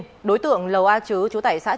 mô bán tàng trữ trái phép hai bánh heroin